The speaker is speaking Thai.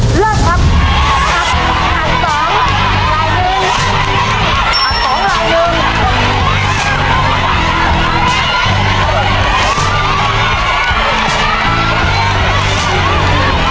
เลิกครับครับ